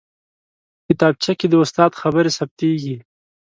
کتابچه کې د استاد خبرې ثبتېږي